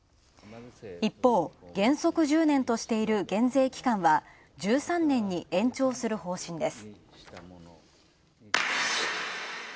一方、原則１０年としている減税期間は、１３年に延長する方針です。